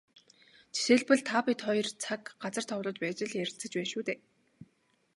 Жишээлбэл, та бид хоёр цаг, газар товлож байж л ярилцаж байна шүү дээ.